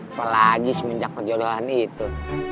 apalagi semenjak penjodohan itu